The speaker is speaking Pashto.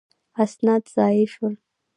اسناد ضایع شول.